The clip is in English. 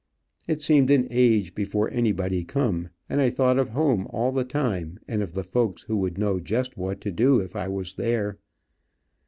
It seemed an age before anybody come, and I thought of home all the time, and of the folks who would know just what to do if I was there.